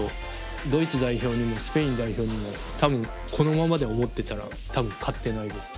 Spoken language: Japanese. ドイツ代表にもスペイン代表にもこのままで思ってたら多分勝ってないです。